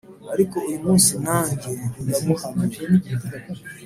ariko uyumunsi nange ndumuhamya